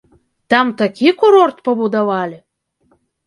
Там такі курорт пабудавалі!